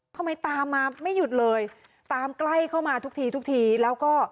ทำไมตามมาไม่หยุดเลยตามใกล้เข้ามาทุกทีทุกทีแล้วก็